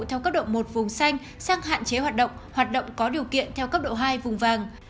theo cấp độ một vùng xanh sang hạn chế hoạt động hoạt động có điều kiện theo cấp độ hai vùng vàng